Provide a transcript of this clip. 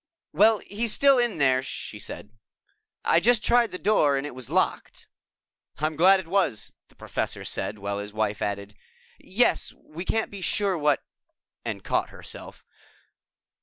"Well, he's still in there," she said. "I just tried the door and it was locked." "I'm glad it was!" the Professor said while his wife added, "Yes, you can't be sure what " and caught herself.